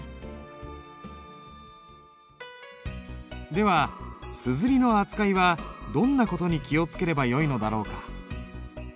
では硯の扱いはどんな事に気をつければよいのだろうか？